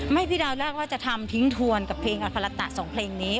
ไม่พี่ดาวเรียกว่าจะทำทิ้งทวนกับเพลงอัฟรัตตะ๒เพลงนี้